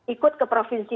ikut ke provinsi